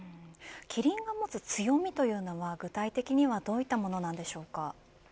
キリンが持つ強みとは具体的にはどういったものなんでしょうか。